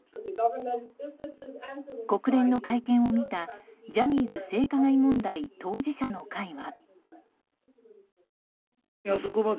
国連の会見を見たジャニーズ性加害問題当事者の会は。